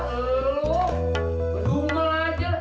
ella ga mau dilamar